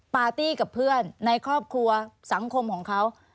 ปาร์ตี้กับเพื่อนในครอบครัวสังคมของเขา